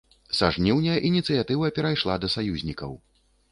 Са жніўня ініцыятыва перайшла да саюзнікаў.